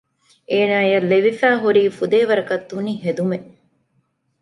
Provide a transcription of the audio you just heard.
އޭނާއަށް ލެވިފައި ހުރީ ފުދޭވަރަކަށް ތުނި ހެދުމެއް